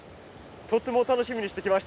とっても楽しみにして来ました。